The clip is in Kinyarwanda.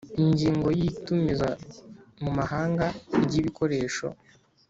Ingingo ya Itumiza mu mahanga ry’ ibikoresho